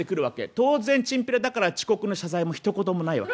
当然チンピラだから遅刻の謝罪もひと言もないわけ。